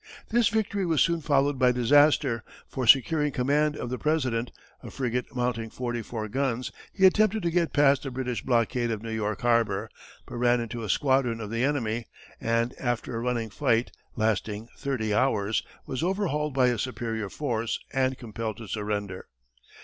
This victory was soon followed by disaster, for, securing command of the President, a frigate mounting forty four guns, he attempted to get past the British blockade of New York harbor, but ran into a squadron of the enemy, and, after a running fight lasting thirty hours, was overhauled by a superior force and compelled to surrender.